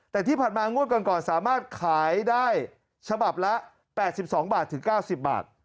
แต่ที่ผ่านมางวดก่อนสามารถขายได้ฉบับละ๘๒บาทถึง๙๐บาท